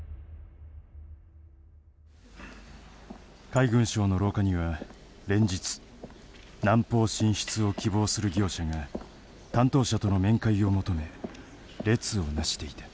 海軍省の廊下には連日南方進出を希望する業者が担当者との面会を求め列を成していた。